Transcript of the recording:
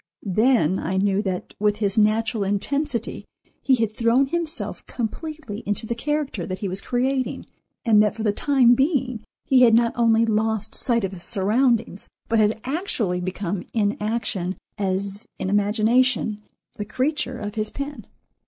Then I knew that with his natural intensity he had thrown himself completely into the character that he was creating, and that for the time being he had not only lost sight of his surroundings, but had actually become in action, as in imagination, the creature of his pen.